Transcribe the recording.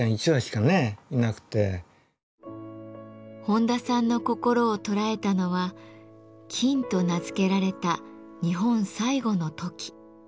本多さんの心を捉えたのは「キン」と名付けられた日本最後のトキ。